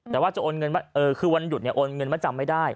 แต่ว่าจะโอนเงินคือวันหยุดเนี่ยโอนเงินมาจำไม่ได้